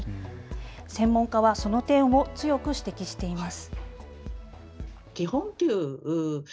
専門家はその点を強く指摘しています。